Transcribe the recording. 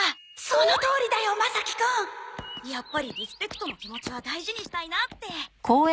そのとおりだよマサキくん！やっぱりリスペクトの気持ちは大事にしたいなって。